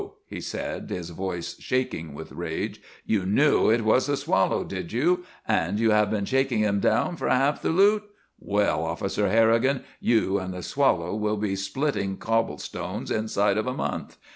he said, his voice shaking with rage, "you knew it was the Swallow, did you? And you have been shaking him down for half the loot? Well, Officer Harrigan, you and the Swallow will be splitting cobble stones inside of a month.